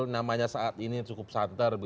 namanya saat ini cukup santer